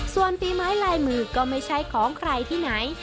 ส่วนฝีไม้ลายมือก็ไม่ใช่ของใครที่ไหน